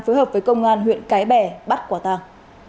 phối hợp với công an huyện cái bè bắt quả tàng